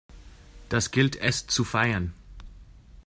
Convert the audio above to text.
Das gilt es zu feiern!